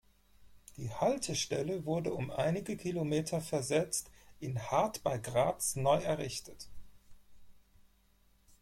Die Haltestelle wurde um einige Kilometer versetzt in Hart bei Graz neu errichtet.